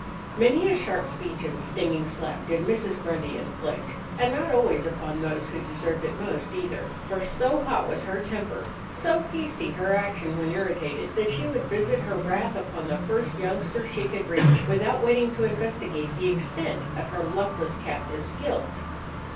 Many a sharp speech and stinging slap did Mrs. Grundy inflict—and not always upon those who deserved it most, either; for so hot was her temper, so hasty her action when irritated, that she would visit her wrath upon the first youngster she could reach, without waiting to investigate the extent of her luckless captive's guilt.